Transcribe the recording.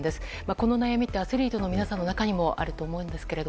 この悩みってアスリートの皆さんの中にもあると思うんですけれど。